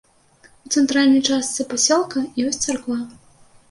У цэнтральнай частцы пасёлка ёсць царква.